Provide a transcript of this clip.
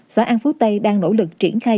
xã an phú tây đang nỗ lực triển khai